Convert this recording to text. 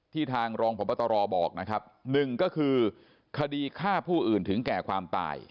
ทางรองพบตรบอกนะครับหนึ่งก็คือคดีฆ่าผู้อื่นถึงแก่ความตาย